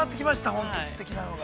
本当にすてきなのが。